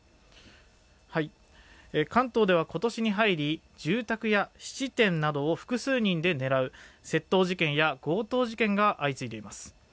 関東では今年に入り住宅や質店などを複数人で狙う窃盗事件や強盗事件が相次いでいます。